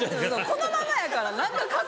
このままやから何か。